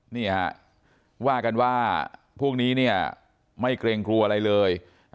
นี่ฮะว่ากันว่าพวกนี้เนี่ยไม่เกรงกลัวอะไรเลย